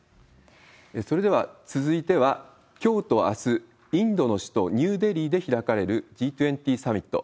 それでは、続いては、きょうとあす、インドの首都ニューデリーで開かれるＧ２０サミット。